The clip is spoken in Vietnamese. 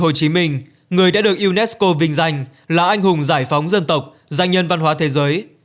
hồ chí minh người đã được unesco vinh danh là anh hùng giải phóng dân tộc danh nhân văn hóa thế giới